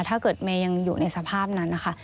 ถ้าเกิดเมย์ยังอยู่ในสภาพนั้นนะคะ